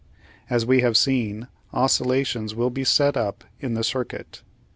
As we have seen, oscillations will be set up in the circuit.